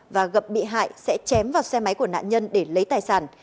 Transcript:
và gặp bị hại sẽ chém vào xe máy của nạn nhân để lấy tài sản